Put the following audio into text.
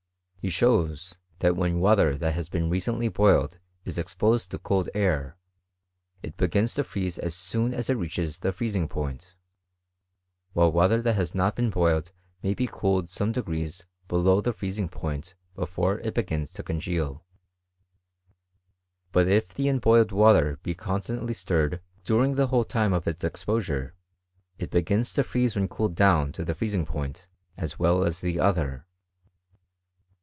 He shows, that when water that has been recently boil ed is exposed to cold air, it begins to freeze as soon as it reaches the freezing point; while water that has not been boiled may be cooled some degrees below the freezing point before it begins to congeal. But if the unboiled water be constantly stirred during the whole time of its exposure, it begins to freeze when cooled down to the freezing point as well as the other.